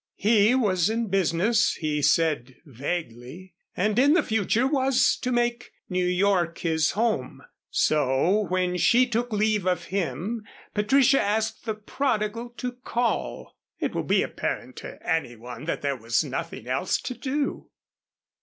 He was in business, he said vaguely, and in the future was to make New York his home. So, when she took leave of him, Patricia asked the prodigal to call. It will be apparent to anyone that there was nothing else to do.